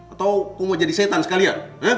atau kau mau jadi setan sekali ya